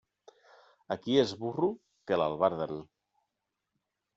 A qui és burro, que l'albarden.